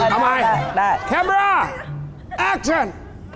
เอาใหม่แคเมร่าแอคชั่น